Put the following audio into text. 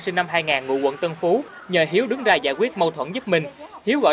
sinh năm hai nghìn ngụ quận tân phú nhờ hiếu đứng ra giải quyết mâu thuẫn giúp minh hiếu gọi